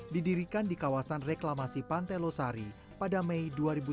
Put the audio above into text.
didirikan di kawasan reklamasi pantai losari pada mei dua ribu sembilan belas